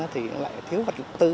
thì lại thiếu vật dụng tư